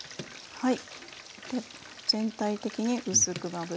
はい。